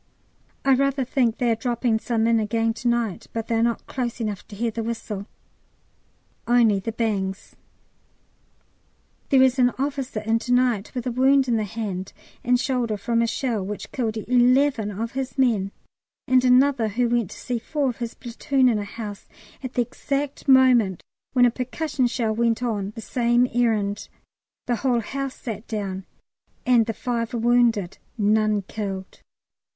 I rather think they are dropping some in again to night, but they are not close enough to hear the whistle, only the bangs. There is an officer in to night with a wound in the hand and shoulder from a shell which killed eleven of his men, and another who went to see four of his platoon in a house at the exact moment when a percussion shell went on the same errand; the whole house sat down, and the five were wounded none killed.